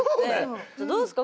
どうすか？